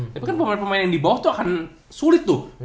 tapi kan pemain pemain yang di bawah itu akan sulit tuh